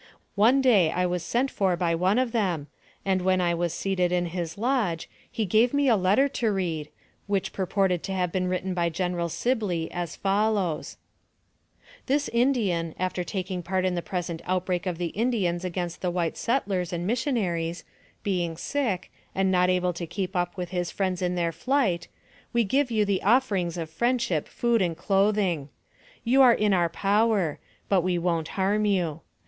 One day, I was sent for by one of them, and when I was seated in his lodge, he gave me a letter to read, which purported to have been written by General Sibley, as follows :" This Indian, after taking part in the present out break of the Indians against the white settlers and missionaries, being sick, and not able to keep up with his friends in their flight, we give you the offerings of friendship, food and clothing. You are in our power, but we won't harm you.